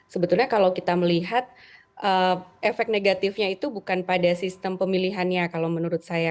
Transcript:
sebetulnya kalau kita melihat efek negatifnya itu bukan pada sistem pemilihannya kalau menurut saya